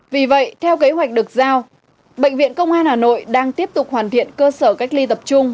vì vậy theo kế hoạch được giao bệnh viện công an hà nội đang tiếp tục hoàn thiện cơ sở cách ly tập trung